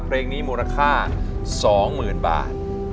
เพลงนี้มูลค่า๒๐๐๐บาท